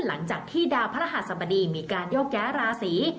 หลังจากที่ดาวพระรหัสบดีมีการโยกย้ายราศี